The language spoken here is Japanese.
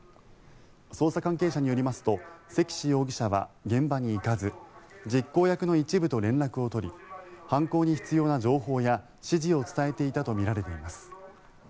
捜査関係者によりますと石志容疑者は、現場に行かず実行役の一部と連絡を取り犯行に必要な情報や指示を伝えていたとみられています。